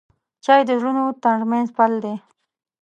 چای د زړونو ترمنځ پل دی.